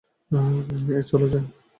এই চল যাই!